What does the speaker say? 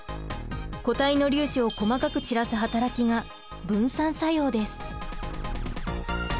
固体の粒子を細かく散らす働きが分散作用です。